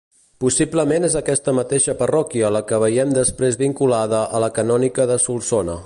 Possiblement és aquesta mateixa parròquia la que veiem després vinculada a la canònica de Solsona.